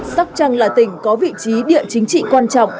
sóc trăng là tỉnh có vị trí địa chính trị quan trọng